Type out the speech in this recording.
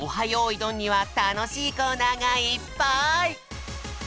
よいどん」にはたのしいコーナーがいっぱい！